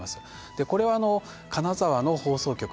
これは金沢の放送局